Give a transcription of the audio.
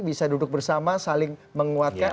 bisa duduk bersama saling menguatkan